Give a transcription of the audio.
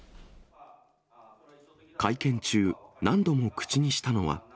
会見中、何度も口にしたのは。